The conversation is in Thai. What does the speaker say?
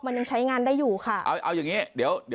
มันยังใช้งานได้อยู่ค่ะ